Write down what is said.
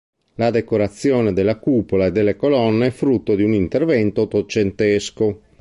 La decorazione della cupola e delle colonne è frutto di un intervento ottocentesco.